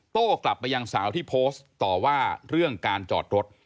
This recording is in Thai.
โต้กลับไปยังสาวที่โพสต์ต่อว่าเรื่องการจอดรถ